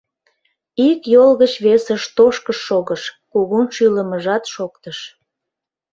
Ик йол гыч весыш тошкышт шогыш, кугун шӱлымыжат шоктыш.